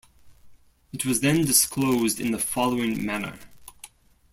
It was then disclosed in the following manner.